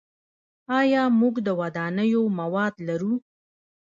آیا موږ د ودانیو مواد لرو؟